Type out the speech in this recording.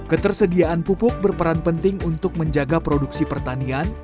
ketersediaan pupuk berperan penting untuk menjaga produksi pertanian